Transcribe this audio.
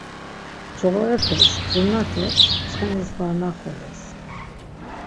Coğorepe şkurnate ntsxenis var naxoles.